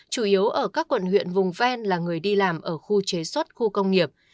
chủ yếu ở các quận huyện vùng ven là người đi làm ở khu chế xuất khu công nghiệp